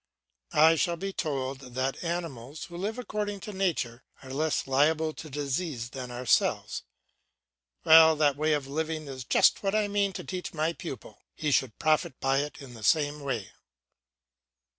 I shall be told that animals, who live according to nature, are less liable to disease than ourselves. Well, that way of living is just what I mean to teach my pupil; he should profit by it in the same way.